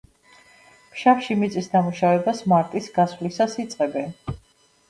ფშავში მიწის დამუშავებას მარტის გასვლისას იწყებენ.